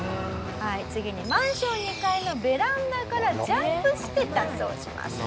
次にマンション２階のベランダからジャンプして脱走します。